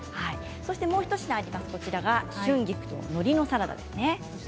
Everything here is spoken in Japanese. そしてもう一品春菊とのりのサラダですね。